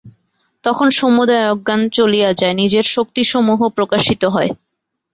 তখন সমুদয় অজ্ঞান চলিয়া যায়, নিজের শক্তিসমূহ প্রকাশিত হয়।